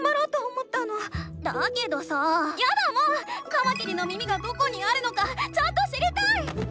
カマキリの耳がどこにあるのかちゃんと知りたい！